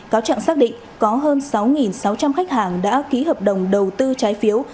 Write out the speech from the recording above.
cáo trạng xác định có hơn sáu sáu trăm linh khách hàng đã ký hợp đồng đầu tư trái phiếu